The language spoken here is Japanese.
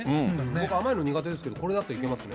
僕甘いの苦手ですけれども、これだといけますね。